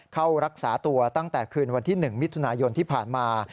เข้ารักษาตัวตั้งแต่คืนวันที่๑มิถุนายนที่ผ่านมา